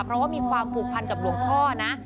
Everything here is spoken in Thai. เพราะว่ามีความผูกพันกับหลวงพ่อนะ